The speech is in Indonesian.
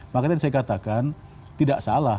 makanya tadi saya katakan tidak salah